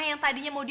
pusing nih malah gue